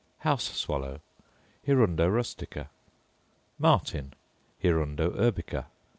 _ House swallow, Hirundo rustica. Martin, _Hirundo urbica.